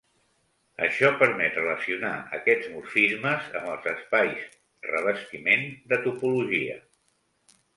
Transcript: Això permet relacionar aquests morfismes amb els espais revestiment de topologia.